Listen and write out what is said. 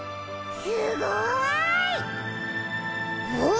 すごい！おお！